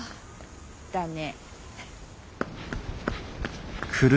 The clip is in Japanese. だね。